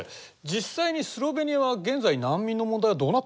実際にスロベニアは現在難民の問題はどうなってるんですか？